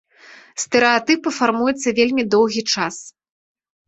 Стэрэатыпы фармуюцца вельмі доўгі час.